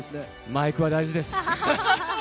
マイクは大事です。